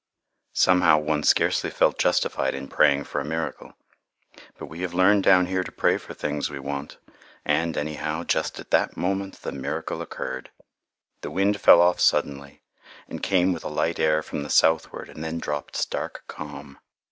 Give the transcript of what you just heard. Somehow, one scarcely felt justified in praying for a miracle. But we have learned down here to pray for things we want, and, anyhow, just at that moment the miracle occurred. The wind fell off suddenly, and came with a light air from the southward, and then dropped stark calm.